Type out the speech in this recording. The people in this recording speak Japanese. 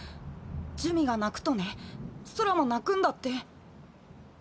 珠魅が泣くとね空も泣くんだって。